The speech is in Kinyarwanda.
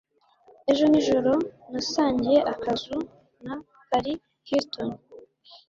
Ejo nijoro, nasangiye akazu na Paris Hilton.